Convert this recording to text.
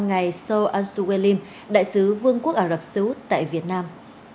ngày seoul aung san suu kyi đại sứ vương quốc ả rập xê út tại việt nam